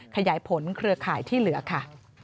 ขยายผลเครือข่ายที่เหลือค่ะ